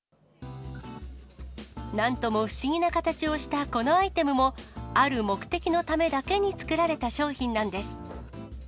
なんとも不思議な形をしたこのアイテムも、ある目的のためだけに作られた商品なんです。